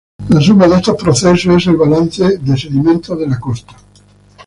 La suma de estos procesos es el balance de sedimentos de la costa.